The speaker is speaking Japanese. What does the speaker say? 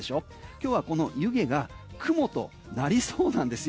今日はこの湯気が雲となりそうなんですよ。